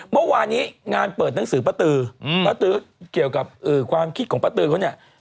เมื่อวานนี้งานเปิดหนังสือป้าตือป้าตือเกี่ยวกับความคิดของป้าตือเขาเนี่ย